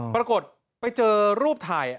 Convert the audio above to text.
ปรากฏไปเจอรูปถ่าย